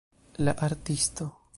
La artisto